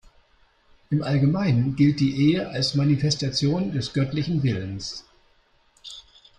Im Allgemeinen gilt die Ehe als Manifestation des Göttlichen Willens.